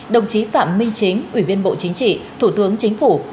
đồng chí phạm minh chính ủy viên bộ chính trị thủ tướng chính phủ